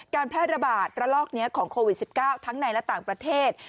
การแพร่ระบาดระลอกนี้ของโควิด๑๙ทั้งในและต่างประเทศ